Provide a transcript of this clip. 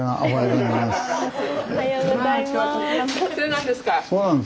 おはようございます。